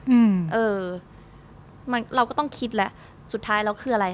อืมเออมันเราก็ต้องคิดแหละสุดท้ายแล้วคืออะไร